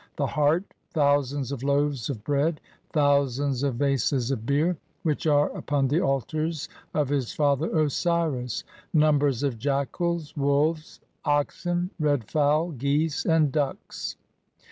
the heart, thousands of loaves of "bread, thousands of vases of beer, which are upon the altars "of his father Osiris, [numbers of] jackals, wolves, (9) oxen, red "fowl, geese and ducks.